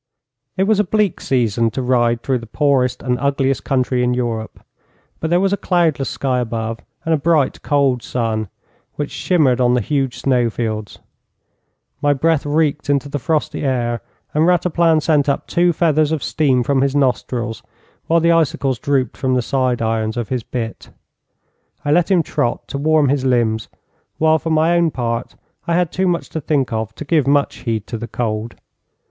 It was a bleak season to ride through the poorest and ugliest country in Europe, but there was a cloudless sky above, and a bright, cold sun, which shimmered on the huge snowfields. My breath reeked into the frosty air, and Rataplan sent up two feathers of steam from his nostrils, while the icicles drooped from the side irons of his bit. I let him trot to warm his limbs, while for my own part I had too much to think of to give much heed to the cold.